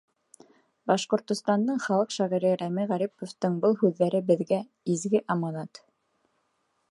Башҡортостандың халыҡ шағиры Рәми Ғариповтың был һүҙҙәре беҙгә — изге аманат.